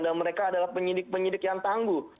dan mereka adalah penyidik penyidik yang tangguh